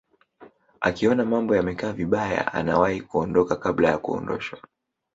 akiona mambo yamekaa vibaya anawahi kuondoka kabla ya kuondoshwa